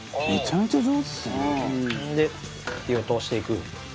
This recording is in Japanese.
それで火を通していく。